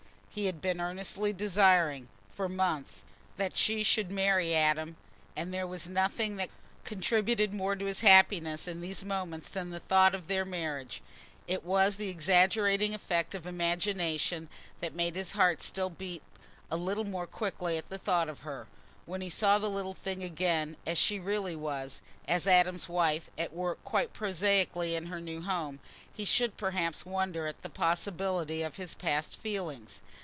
He had been earnestly desiring, for months, that she should marry Adam, and there was nothing that contributed more to his happiness in these moments than the thought of their marriage. It was the exaggerating effect of imagination that made his heart still beat a little more quickly at the thought of her. When he saw the little thing again as she really was, as Adam's wife, at work quite prosaically in her new home, he should perhaps wonder at the possibility of his past feelings.